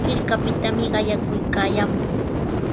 Hirkapitami qayakuykaayaamun.